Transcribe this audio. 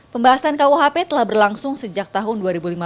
pembahasan kuhp telah berlangsung sejak tahun dua ribu lima belas